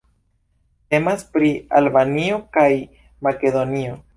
Temas pri Albanio kaj Makedonio.